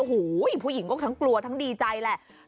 โอ้โหผู้หญิงก็ทั้งกลัวทั้งดีใจแหละ